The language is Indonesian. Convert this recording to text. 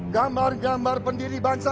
gambar gambar pendiri bangsa